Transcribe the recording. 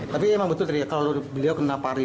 tapi memang betul kalau beliau kena pari